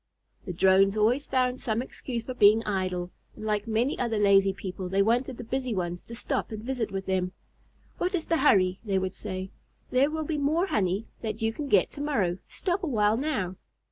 The Drones always found some excuse for being idle, and like many other lazy people they wanted the busy ones to stop and visit with them. "What is the hurry?" they would say. "There will be more honey that you can get to morrow. Stop a while now."